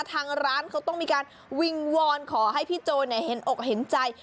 ทางร้านเขาต้องมีการวิงวอนขอให้พี่โจเห็นอกเห็นใจ